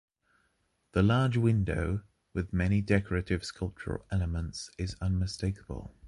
The large window, with many decorative sculptural elements, is unmistakable.